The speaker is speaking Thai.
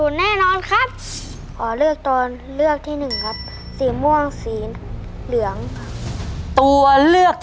ใช่นักร้องบ้านนอก